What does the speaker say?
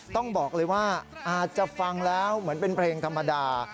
ต้องบอกเลยว่าอาจจะฟังแล้วเหมือนเป็นเพลงธรรมดา